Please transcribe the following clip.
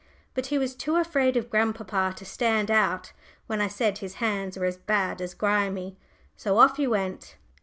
But he was too afraid of grandpapa to stand out when I said his hands were as bad as "grimy;" so off he went.